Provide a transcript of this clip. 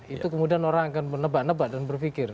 itu kemudian orang akan menebak nebak dan berpikir